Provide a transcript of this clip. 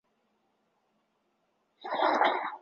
流行于北韩的海鸥牌单车多是由此集中营生产。